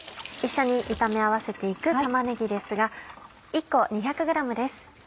一緒に炒め合わせて行く玉ねぎですが１個２００ｇです。